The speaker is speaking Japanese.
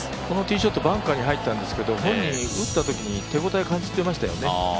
このティーショットバンカーに入っていったんですが本人打ったときに手応え感じてましたよね。